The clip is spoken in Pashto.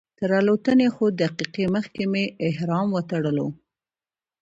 تر الوتنې څو دقیقې مخکې مې احرام وتړلو.